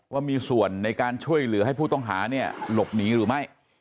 ว่ามีส่วนในการช่วยเหลือให้ผู้ต้องหาเนี่ยหลบหนีหรือไม่